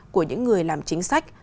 của những người làm chính sách